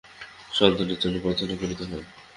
সন্তানের জন্য প্রার্থনা করিতে হয়।